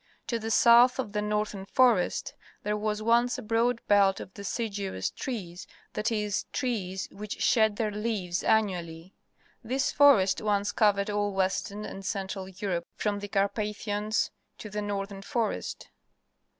To the south of the northern forest there was once a broad belt of deciduous trees, that is, trees which shed their leaves annually. This forest once covered all Western and Central Europe from the Carpathians to the northern forest.